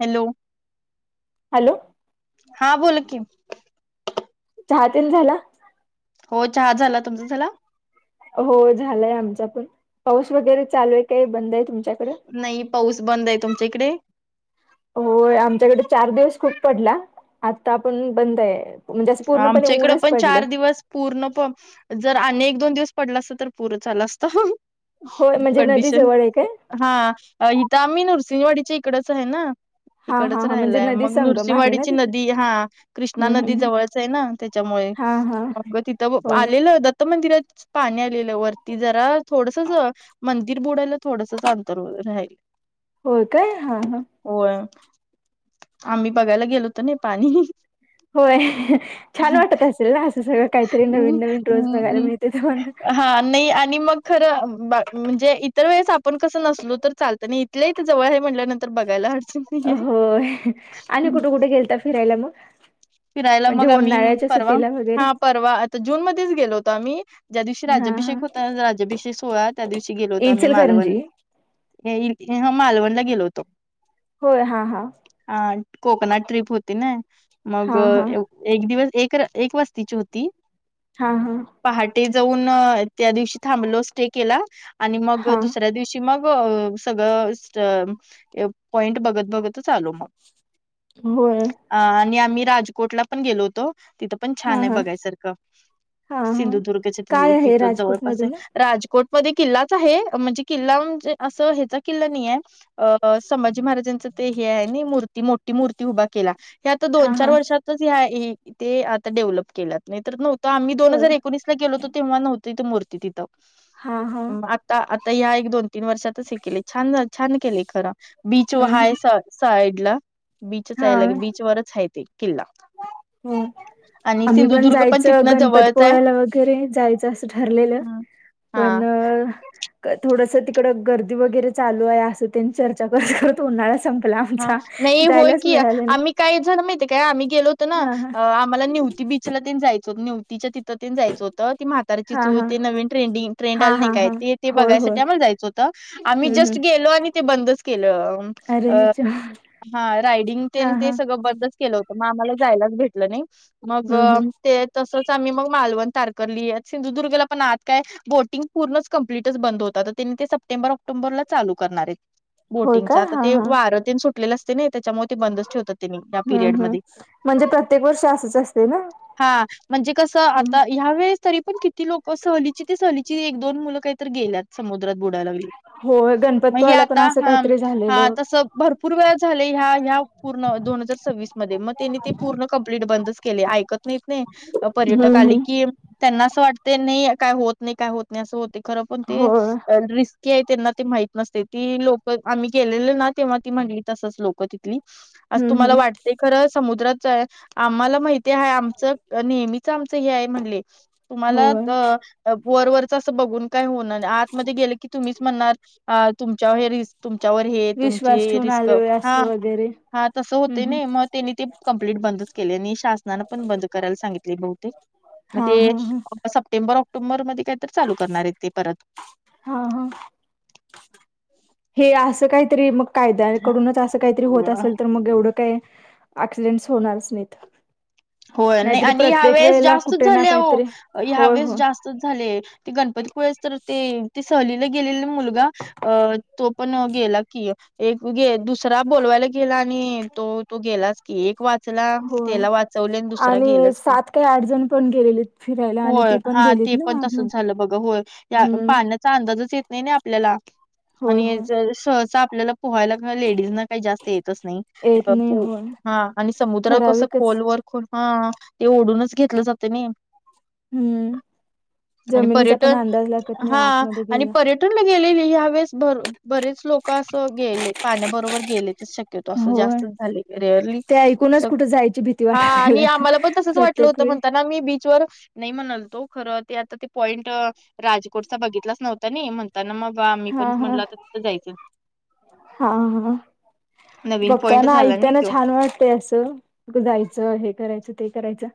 Hello. Hello. हा बोल की. चहा तेन झाला? हो चहा झाला. तुमचां झाला? हो झालाय आमचा पण. पाऊस वगैरे चालू आहे काय बंद आहे तुमच्याकडे? नाही पाऊस बंद आहे. तुमच्या इकडे? हो आमच्याकडे चार दिवस खूप पडला. आता पण बंद आहे. म्हणजे असं पूर्णपणे आमच्या इकड ऊनच पण पडलंय चार दिवस- पूर्ण पण. जर आणि एक दोन दिवस पडला असता तर पूरंच आला असता. होय म्हणजे नदी कंडिशन- जवळ आहे काय हा. इथं आम्ही नरसिंहवाडीच्या इकडच आहे ना? हा तिकडच हा हा म्हणजे राहिलाय. नदी मग संगम आहे ना नृसिंहवाडीची तिथे नदी. हा. कृष्णा हम्म हम्म नदी हम्म जवळच- ना त्याच्यामुळे. हा हा मग तिथं होय आलेलं दत्त मंदिरात- पाणी आलेलं वरती जरा थोडस- मंदिर बुडायला थोडसच अंतर राल- होय काय? हा हा. होय. आम्ही बघायला गेलो होतो ना पाणी. होय. छान वाटत असेल ना असं सगळं काहीतरी हम्म, नवीन नवीन रोज बघायला हम्म, मिळते तेन. हा नाही. आणि मग खरं म्हणजे इतर वेळेस आपण कसं नसलो तर चालत- पण इथल्या इथ जवळ आहे म्हंटल्यावर बघायला हव. होय. आणि कुठे कुठे गेलत्या फिरायला मग? फिरायला म्हणजे मग आम्ही उन्हाळ्याच्या परवा, सुट्टीला वगैरे हा पर- -वा. आता जून मध्येच गेलो होतो आम्ही ज्या दिवशी हा हा राज्याभिषेक होता राज्याभिषेक सोहळा- त्या दिवशी गेलो होतो आम्ही मालवण इचलकरंजी हे हिल हे मालवणला गेलो होतो. होय हा हा. हा कोकणट ट्रिप होती ना हा मग हा एव ''--'' एक दिवस एक र एक वस्तीचे होती. हा हा. पहाटे जाऊन त्या दिवशी थांबलो स्टे केला आणि मग हा दुसऱ्या दिवशी. की मग सगळं स पॉइंट बघत बघत च आलो मग. होय. अ आणि आम्ही राजकोटला पण गेलो होतो तिथं. पण हा छान आहे हा बघायसारखं हा हा सिंधुदुर्ग काय ती आहे तिथ राजकोट जवळपास हाय. मधून राजकोटमध्ये किल्लाच आहे म्हणजे किल्ला म्हणजे असं ह्याचा किल्ला नाही आहे. अ संभाजी महाराजांचं ते हे आहे मूर्ती मोठी मूर्ती उभा केला हे आता हा दोन चार हा वर्षात. आता डेव्हलप केलात नाही तर नव्हत आम्ही दोन होय हजार एक. एकोणीसला गेलो होतो तेव्हा नव्हती तिथ मूर्ती तिथं हा हा अ भात. आता आता या एक दोन तीन वर्षातच हे केले छान छान केले खरं बीच व हम्म हाय हम्म स''--'' साईड ला बीचच हा यायलागे बीचवरच आहे ते किल्ला. हो. आणि आम्ही पण सिंधुदुर्ग जायच तिथनं गणपती जवळच आहे. पोळला वगैरे जायचं असं ठरलेलं. हम्म. पण हा थोडस तिकडडे गर्दी वगैरे चालू आहे असं त्यांनी चर्चा करत करत उन्हाला संपला. आपला हा आमचा नाही होय जायलाच की मिळालं नाही. आम्ही काय झाण माहितीे काय आम्ही गेलोत ना हा आम्हाला निव्हति बीचला ते जायचं होत न्यू ती. तिच्या तिथंन जायचं होतं ती म्हातार्याची हा चूळ हा ते नवीन ट्रेंडंग ट्रेड हा हा आली नाही हा काय हा ते. ते होय होय बघायसाठी आम्हाला जायचं होतं आम्ही हम्म हम्म जस्ट गेलो आणि ते बंदच केलं अ अ. ह हा रायडिंग ते ते सगळं बरदस् केलं होतं मग आम्हाला जायलाच भेटलं नाही. मग हम्म हम्म ते तसंच आम्ही मग मालवण तारकली सिंधुदुर्गला पण आत काय. बोटिंग पूर्णच कम्प्लीटच बंद होतात तर त्यांनी ते सप्टेंबर ऑक्टोबरला चालू करणार आहेत. होय बोटिंगचा काय आता हा ते हा वार तेन सुटलेले असते नाही त्याच्यामुळे. ते बंदच ठेवतातिने या पिरियड हम्म हम्म मध्ये. म्हणजे प्रत्येक वर्ष असंच असते ना हा म्हणजे कसं आता. ह्या वेळेस तरी पण किती लोक सहलीची ते सहलीची एक दोन मुलं काहीत गेल्यात समुद्रात बुडायला लागली. होय मग गणपतपुळ्याला पण आता असं हा काहीतरी हा झालेलं तस. भरपूर वेळ झाले ह्या ह्या पूर्ण दोन हजार सव्वीस मध्ये मग त्यांनी ते पूर्ण कम्प्लीट बंदच केले ऐकत''--'' नाहीत नाही हम्म पर्यटक आले हम्म की. त्यांना असं वाटते नाही काय होत नाही काय होत नाही असं होत खरं पण होय रीस्की''--'' की आहे त्यांना ते माहित नसते ती लोक आम्ही गेलेले ना तेव्हा ती म्हणित तसंच लोक ति. हम्म तुम्हाला हम्म वाट खर समुद्रात आम्हाला माहितीय आहे आम्ही. च नेहमीच आमच हे आहे म्हणले तुम्हाला होय अ. वरवररच असं बघून काय होणार नाही आतमध्ये गेलं की तुम्हीच म्हणणार तुमच्या हे रिस्''--'' तुमच्यावर हे विश्वास तुमची ठेवून रिस्क आले अस हा. वगैरे हा तसं हम्म होते हम्म नाही मग त्यांनी ते कंप्ललीट बंदच केले आणि शासनानें पण बंद करायला सांगितले बहुतेक. मग हा ते हा हा. सप्टेंबर ऑक्टोबर मध्ये काय तर चालू करणार आहेत ते परत. हा हा. हे असं कायतरी मग कायद्याकडूनच असं कायतरी होत असेल तर मग एवढं काय ऐक्सिडेंट्स होणारचं नाहीत. हो नाय नाहीतरी आणि ह्या प्रत्येक वेळेस वेळेला जास्तच कुठे ना झालय आहो काहीतरी ह्या होय वेळेस होय जास्त तच झालय ते गणपती पुळेच तर ते ते सहलीला गेलेला मुलगा अ तो पण गेला की एक उगे दुसरा बोलवायला गेला आणि तो तो गेलाच एक वाचला होय त्येला वाच चवल आणि दुसरा गेलच की सात काही आठ जण पण गेलेलीत फिरायला आणि होय ती पण हा गेलीत ते पण ना तसच आतमध्ये झालं बघा होय. या हम्म पाण्याचा अंदाजच येत नाही ना आपल्याला होय आणि होय जर सहसा आपल्याला पोहायला हा लेडीजना काय जास्त येतच नाही येत नाही परंतु होय हा आणि समुद्र कस ठराविकच खोलवर खूप हा ते ओढूनच घेतलं जातय नई हम्म आणि जमिनीचा पण पर्यटन अंदाज लागत नाही हा आतमध्ये आणि गेला पर्य [unintelligible] गेले मी ह्या वेळेस बरेच लोक असं गेले पाण्याबरोबर गेलेच शक्य त तसं होय जास्तच झालय रेअरली ते ऐकूनच सकं कुठे जायची भीती वा हा आणि आम्हाला पण तसंच वाटलं होतं म्हणताना मी बीचवर नाही म्हणाल तो खरं ते आता ते पॉईंट राजकोटचा बघितलाच नव्हता ना म्हण पण मग आम्ही पण हा हा म्हटलं आता तिथं जायचं. हा हा नवीन पॉईंट बघताना झाला नाही ऐकताना तो छान वाट ते असं नु कुठ जायचं हे करायचं ते करायचं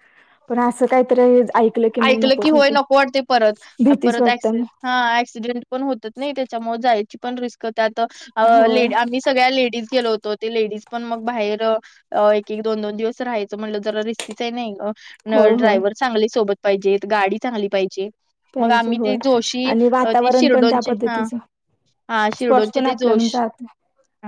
पण असं कायतर ऐकलं की मग नकोच होय होतय नको वाटते परत. अ, भीतीच परत वाटत ऍक्सि मग हा ऍक्सिडेंट पण होतात नय त्याच्यामुळे जायची पण रिस्क त्यात हो होय लेडी आम्ही सगळ्या लेडीज गेलो होत त ते लेडीज पण मग बाहेर अ एक एक दोन दोन दिवस राहायचं म्हणलं जरा रिस्कीच हाय नय अ ल होय होय ड्रायवर चांगले सोबत पाहिजेत गाडी चांगली पाहिजे. मग पाहिजे आम्ही ते होय जोशी आणि अ ते वातावरण पण त्या शिरडोनचे हा पद्धतीचं हा स्पॉट्स शिर्डोंचे पण ते आपल्या जोश जात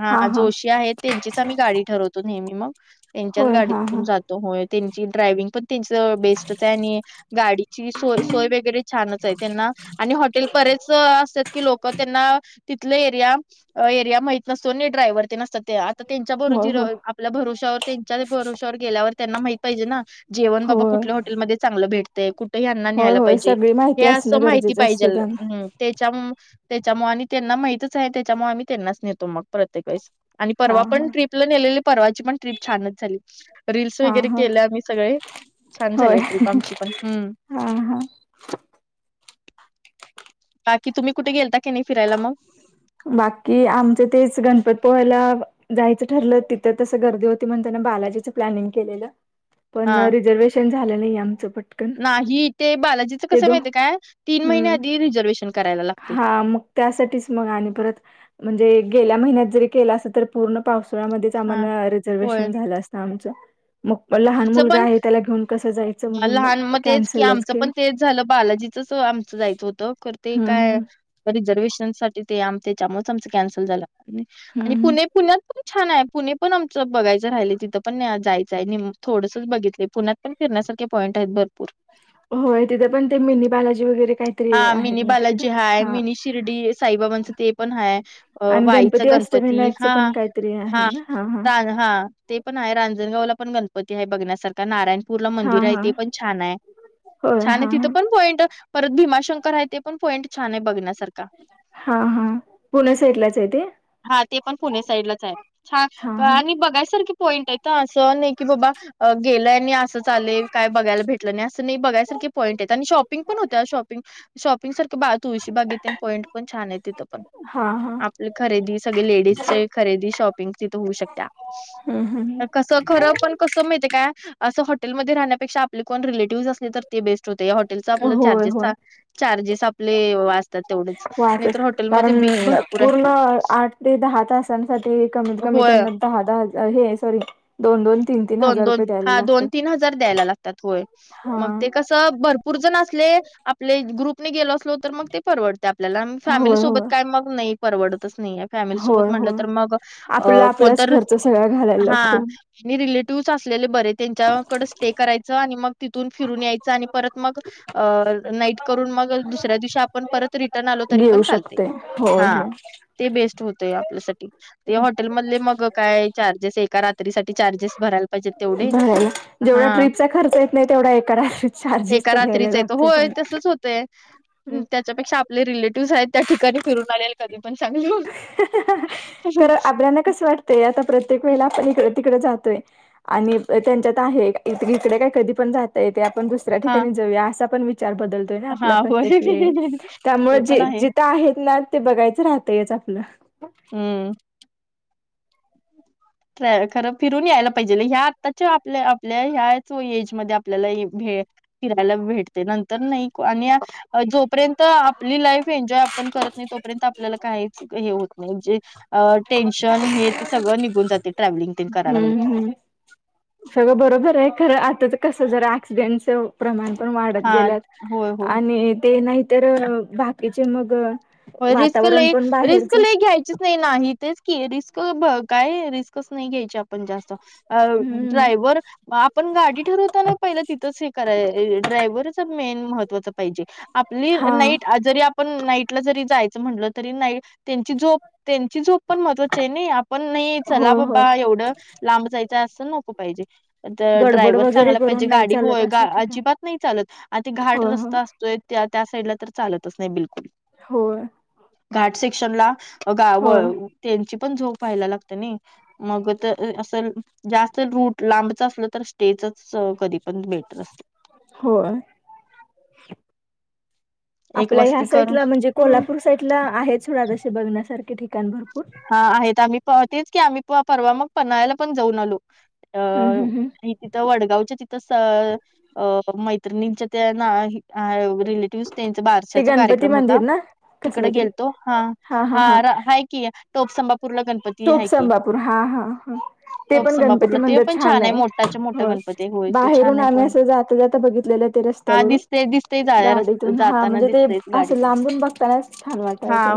हा जोशी आहेत त्यांचीच आम्ही गाडी ठरवतो नेहमी मग त्यांच्याच होय हा हा गाडीतून जातो होय त्यांची ड्रायव्हिंग पण त्यांच बेस्टच हाय आणि गाडीची सोय सोय वगैरे छानच आहे त्यांना आणि हॉटेल परेच असतेत कि लोक त्यांना तिथला एरिया एरिया माहीत नसतो नी ड्रायव्हर ते नसतात ते आता त्यांच्या बरो होय जिरो होय आपल्या भरोश्यावर त्यांच्या भरोश्यावर गेल्यावर त्यांना माहित पाहिजे ना जेवण बाबा होय कुठल्या हॉ हॉटेल मध्ये चांगलं भेटतय कुठे यांना होय न्यायला होय पाहिजे सगळी हे माहिती असणं असं माहिती गरजेचं असते पाहिजेल त्यांना त्याच्या मु त्याच्यामुळ आणि त्यांना माहितच आहे त्याच्यामुळ आम्ही त्यांनाच नेतो मग प्रत्येक वेळेस आणि हा परवा हा पण ट्रिपला नेलेली परवाची पण ट्रीप छानच झाली. रील्स हा वगैरे हा केल्या आम्ही सगळे छान होय झालेत. हा हा बाकी तुम्ही कुठे गेलता का नाय फिरायला मग बाकी आमच तेच गणपत पुळेला जायचं ठरलं तिथं तसं गर्दी होती म्हणून त्याने बालाजीचं प्लॅनिंग केलेलं पण हा रिझर्वेशन झालं नाही आमचं पटकन नाही ते बालाजीचं ते कसं दो माहितीय काय तीन महिने हम्म आधी रिझर्वेशन करायला लागतंय हा मग त्यासाठीच मग आणि परत म्हणजे गेल्या महिन्यात जरी केलं असं तर पूर्ण पावसाळ्यामध्येचं हा सामान होय रिझर्वेशन झालं असतं आमचं. हां. मग लहान तिचं पण मुलगा आहे त्याला घेऊन कसं जायचं हा, म्हणून मग लहान कॅन्सलच केलं. तस आमचं जायचं होतं कर ते हम्म काय हम्म रिझर्वेशन साठी ते आम त्याच्यामुळच आमच कॅन्सल झालं आणि हम्म हम्म पुणे पुण्यात पण छान आहे पुणे पण आमचं बघायचं राहिलय तिथं पण जाय थोडसंच बघितले पुण्यात पण फिरण्यासारख पॉईंट आहेत भरपूर. होय तिथ पण ते मिनी बालाजी वगैरे काय हा मिनी बालाजी हाय मिनी शिर्डी साईबाबांचं ते पण हाय अ आणि वाईचा गणपती ग पती अष्टविनायकचं हा पण काहीतरी हा आहे ना हा तान हा. ते पण हाय रांजणगावला पण गणपती हाय बघण्यासारखा नारायण पूरला हा मंदिर आहे हा ते पण छान आहे होय छान आहे हा हा तिथं पण पॉइंट भीमाशंकर हाय ते पण पॉईंट छानाय बघण्यासारखा. हा हा पुण्या साईडलाच आहे ते. हा ते पण पुणे साईडलाच आहे छान हा हा आणि बघायसारखी पॉइंट आहे असं नाही की बाबा अ गेलंय आणि असंचालेय काय बघायला भेटलं नाही असं नाही बघायसारखे पॉईंट आहेत आणि शॉपिंग पण होत्या शॉपिंग शॉपिंग सारखे बा तुळशी बाग येेत पॉइंट पण छान आहे तिथं पण हा हा आपले खरेदी सगळे लेडीज चे खरेदी शॉपिंग तिथ होऊ शकत्या. हम्म हम् कसं खरं पण कसं माहतेय काय? असं हॉटेलमध्ये राहण्यापेक्षा आपले कोण रिलेटिव्हज असले तर ते बेस्ट होते या हॉटलचा आपलं होय चार्जेस होय च चार्जेस आपले वाचतात तेवढेच वाहतच नाहीतर हॉटेलमध्ये कारण बिल भरपूराय. पूर्ण आठ ते दहा तासांसाठी कमीत कमी होय त्यांना दहा दहा हजा हे सॉरी दोन दोन तीन तीन दोन हजार दोन रुपये द्यायला हा दोन लागतात तीन हजार द्यायला लागतात होय हा मग ते कस च भरपूर जण असले आपले ग्रुप गेलो असलो तर मग ते परवडते आपल्याला फॅमिली होय सोबत होय काय मग नाही परवडतच नाहीेयाय. फॅमिली सोबत होय म्हटलं होय तर मग आपला अ आपलाच कोणतर खर्च सगळा घालायला हा. लागतो मी रिलेटिव्हस असलेले बरे त्यांच्याकड स्टे करायचं आणि मग तिथून फिरून यायचं आणि परत मग अ नाईट करून मग दुसऱ्या दिवशी आपण परत रिटर्न आलो तरी घेऊ पण चालतय. शकते होय हो. ते बेस्ट होतय आपल्यासाठी ते हॉटेल मधले मग काय चार्जेस एका रात्रीसाठी चार्जेस भरायला पाहिजेत तेवढे बर जेवढा हा ट्रीपचा खर्च येत नाही तेवढा एका रात्रीत चार्जेस एका तर द्यायला रात्रीच येतो लागतेत अन हम् त्याच्या पेक्षा आपले रिलेटिव्हस आहेत त्या ठिकाणी फिरून आलेल कधी पण चांगल ना कसं वाटतय आता प्रत्येक वेळे आपण इकड तिकड जातोय. आणि त्यांच्यात आहे इकडे काय कधी पण जाता येतय आपण दूस - सऱ्या हा ठिकाणी जाऊया असा पण विचार बदलतोय ना आपला हा होय प्रत्येक वेळी त्यामुळे ते पण जे आहे ते आहेत ना ते बघायचं राहतयच आपलं. हम्म ट्रा खरं फिरून यायला पाहिजेल ह्या आत्ताच्या आपल्या आपल्या ह्याच एज मध्ये आपल्याला भेळ- फिरायला भेटतय नंतर नाही क आणि जोपर्यंत आपली लाईफ एन्जॉय आपण करत नाही तोपर्यंत आपल्याला काहीच हे होत म्हणजे अ टेन्शन हे ते सगळं निघून जात. ते ट्रॅव्हलिंग हम्म् हम सगळं बरोबर आहे खरं आताच कस जरा ऍक्सिडेंटसच प्रमाण पण वाढत हा गेल्यात होय होय आणि ते नाहीतर बाकीचे मग रिस्क वातावरण लई. पण रिस्क बाहेरच लई घ्यायचीच नाही नाही तेच की रिस्क ब काय रिस्कच नाही घ्यायची आप आपण जास्त अ हम्म ड्रायव्हर आपण गाडी ठरवताना पहिलं तिथंच हे करा ड्रायव्हरच मेन महत्त्वाच पाहिजे. आप प्ली हा नाईट जरी आपण नाईटला जरी जायचं म्हटलं तरी नाईट त्यांची झोप त्यांची झोप पण महत्वाची आहे नी आपण नाही चला होय होय बाबा एवढं लांब जायचा अस नको पाहिजे. तर गडबड ड्रायव्हर वगैरे चांगला पाहिजे करून नाही गाडी चालत होय गा अशा ठिकाणी अजिबात नाही चालत आ ते घाट होय होय रस्ता असतोय त्या त्या साईडला तर चालतच नाही बिलकुल. होय. घाट सेक्शन ला गा व होय त्यांची पण झोप व्हायला लागतीया नी. मग तर अस जास्त रूट लांबच असलं तर स्टेचच कधी पण बेटर असते. होय. एक आपल्या ह्या वस्ती करून साईडला म्हणजे हम्म. कोल्हापूर साईड ला आहेच ना ग असे बघण्यासारखे ठिकाण भरपूर. हा आहेत आम्ही पा तेच की आम्ही प-परवा मग पन्हाळ्याला पण जाऊन आलो. अ हम्म हम्म हम्म तिथं वडगावच्या तिथं स अ मैत्रिणींच्या त्या ना ही आ रिलेट त्यांचा ते बारशाचा गणपती कार्यक्रम होता. मंदिर ना तिकड कसलं तरी गेलतो. हा हा रा हाय की टोपसंभापुरला गण टोप संंबापूर हा हा हा. ते टॉप पण गणपती संभापूरला ते मंदिर पण छान आहे. मोठाच्या मोठा हो गणपती आहे. होय तो छान बाहेरून आहे आम्ही पॉईंट असं जाता जाता बघितलेलं ते रस हा त्यावेळी दिसते दिसतेय जा रस्त गाडीतून हा जाताना म्हणजे ते दिसतेच असं गाडीतून लांबून बघतानाच छान हा वाटायच.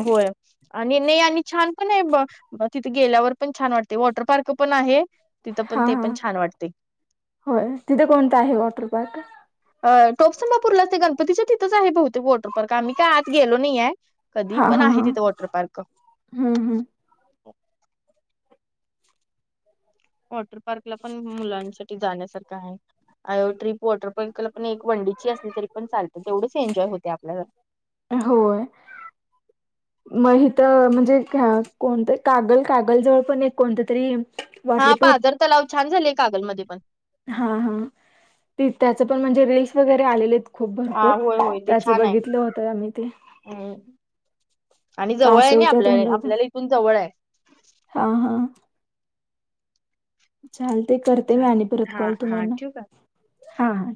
आणि मी आणि छान काय ब तिथे गेल्यावर पण छान वाटते. वॉटर पार्क पण आहे. तिथं पण हा ते हा पण छान वाटते. होय. तिथं कोणता आहे वॉटर पार्क? अ टोपसंबापूरला ते गणपतीच्या तिथंच आहे बहुतेक वॉटर पार्क आम्ही काय आत गेलो नाही आहे. कधी हा पण हा आहे हा तिथं वॉटर पार्क. हम्म हम्. वॉटर पार्कला पण मुलांसाठी जाण्यासारखं हाय. अ ट्रिप वॉटरपार्कला पण एक वन डेची असली तरी पण चालते. तेवढेच एन्जॉय होते आपल्याला. होय. म हीत म्हणजे का कोणत? कागल, कागल जवळ पण एक कोणत तरी हा वॉटर पार्क पाझर तलाव छान झालेय कागलमध्ये पण. हा हा त्याच पण म्हणजे रील्स वगैरे आलेलीत. खूप हा भरपूर होय होय ते त्याच छान आहे. बघितलं होत आम्ही ते. हम्म आणि जवळ आहे ना कासवच्या आपल्याला. तोंडात आपल्याला इथून जवळ आहे. हा हा. चालते करते मी चालेल आणि परत हा कॉल हा तुम्हाना ठेवू का? हा हा.